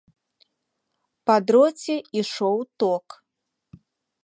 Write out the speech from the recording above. Па дроце ішоў ток.